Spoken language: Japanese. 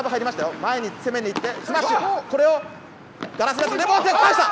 前に攻めに行って、スマッシュ、これを返した。